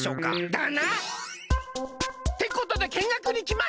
だな！ってことでけんがくにきました！